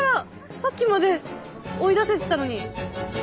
さっきまで追い出せてたのに！